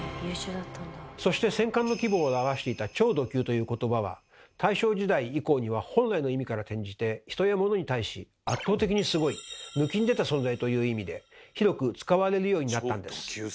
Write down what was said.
そして戦艦の規模を表していた「超弩級」ということばは大正時代以降には本来の意味から転じて人や物に対し「圧倒的にすごい」「ぬきんでた存在」という意味で広く使われるようになったんです。